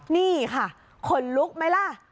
นี่ค่ะขนลุกไหมล่ะ